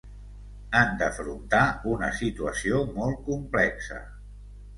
Han d’afrontar una situació molt complexa.